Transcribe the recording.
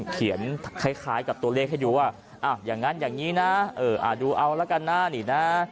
คล้ายกับตัวเลขให้ดูว่าอย่างนั้นอย่างนี้นะดูเอาละกันนะนี่นะ